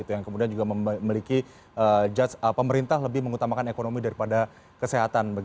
yang kemudian juga memiliki pemerintah lebih mengutamakan ekonomi daripada kesehatan